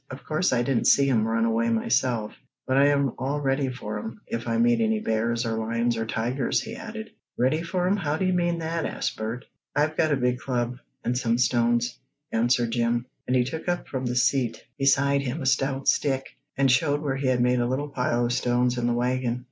"Of course I didn't see 'em run away myself, but I'm all ready for 'em, if I meet any bears, or lions or tigers," he added. "Ready for 'em how do you mean?" asked Bert. "I've got a big club, and some stones," answered Jim, and he took up from the seat beside him a stout stick, and showed where he had made a little pile of stones in the wagon.